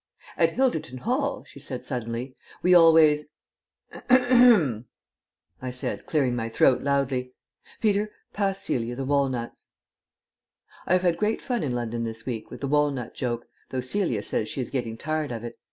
"At Hilderton Hall," she said suddenly, "we always " "H'r'm," I said, clearing my throat loudly. "Peter, pass Celia the walnuts." ..... I have had great fun in London this week with the walnut joke, though Celia says she is getting tired of it.